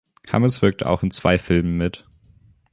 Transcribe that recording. Hammes wirkte auch in zwei Filmen mit.